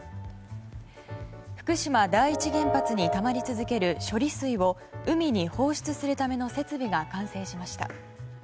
福島第一原発にたまり続ける処理水を海に放出するための設備が完成しました。